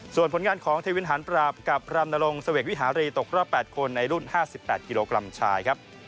ส่วนผลงานของเทวินหารปราบกับรำนรงเสวกวิหารีตกรอบ๘คนในรุ่น๕๘กิโลกรัมชายครับ